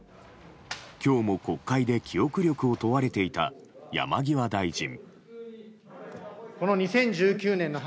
今日も国会で記憶力を問われていた山際大臣。